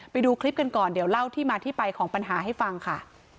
ไปดูคลิปกันก่อนเดี๋ยวเล่าที่มาที่ไปของปัญหาให้ฟังค่ะ